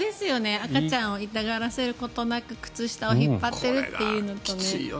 赤ちゃんを嫌がらせることなく靴下を引っ張ってるというのとね。